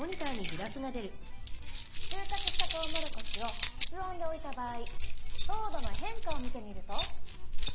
収穫したトウモロコシを室温で置いた場合糖度の変化を見てみると。